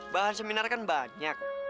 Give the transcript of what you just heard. bahan seminar kan banyak